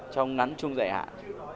trong ngắn chung giải hạn